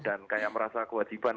dan kayak merasa kewajiban